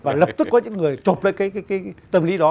và lập tức có những người chộp lên cái tâm lý đó